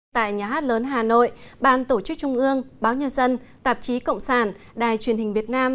tại nhà hát lớn hà nội ban tổ chức trung ương báo nhân dân tạp chí cộng sản đài truyền hình việt nam